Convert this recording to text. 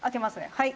はい。」